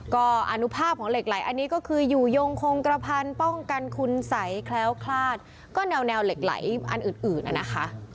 ก็อนุภาพของเหล็กไหลอันนี้ก็คืออยู่ยงคงกระพันป้องกันคุณสัยแคล้วคลาดก็แนวเหล็กไหลอันอื่นอื่นนะคะ